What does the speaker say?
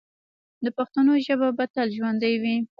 د پښتنو ژبه به تل ژوندی وي.